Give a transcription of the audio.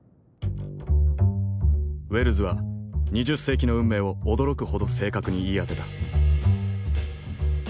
ウェルズは２０世紀の運命を驚くほど正確に言い当てた。